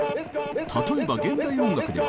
例えば現代音楽では。